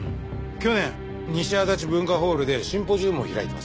去年西足立文化ホールでシンポジウムを開いてます。